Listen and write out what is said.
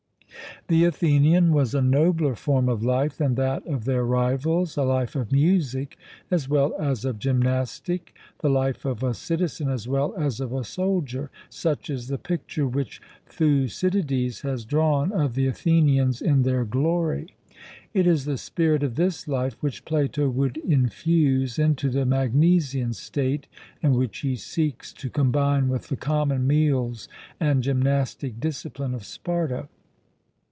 The Athenian was a nobler form of life than that of their rivals, a life of music as well as of gymnastic, the life of a citizen as well as of a soldier. Such is the picture which Thucydides has drawn of the Athenians in their glory. It is the spirit of this life which Plato would infuse into the Magnesian state and which he seeks to combine with the common meals and gymnastic discipline of Sparta.